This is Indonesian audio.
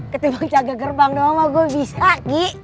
ketimbang jaga gerbang doang mah gua bisa gi